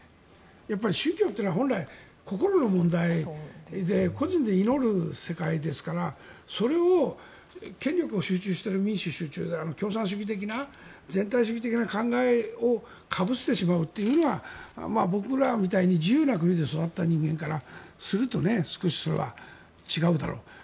やっぱり宗教は本来、心の問題で個人で祈る世界ですからそれを権力を集中している民主集中、共産主義的な全体主義的な考えをかぶせてしまうっていうのは僕らみたいに自由な国で育った人間からすると少しそれは違うだろうと。